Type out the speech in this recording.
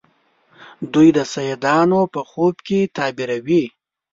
دوی د سیدانو په خوب کې تعبیروي.